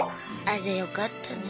じゃあよかったね。